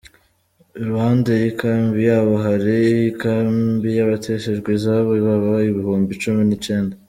Iruhande y'ikambi yabo, hari ikambi y'abateshejwe izabo bababa ibihumbi cumi n'icenda.